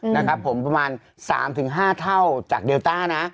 นะครับผมประมาณ๓๕เท่าจากเดลต้านะ